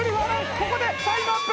ここでタイムアップ！